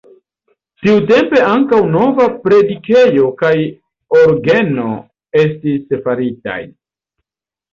Tiutempe ankaŭ nova predikejo kaj orgeno estis faritaj.